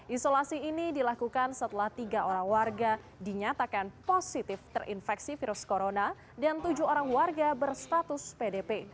isolasi ini dilakukan setelah tiga orang warga dinyatakan positif terinfeksi virus corona dan tujuh orang warga berstatus pdp